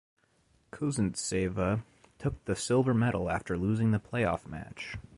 Kosintseva took the silver medal after losing the playoff match.